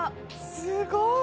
すごい！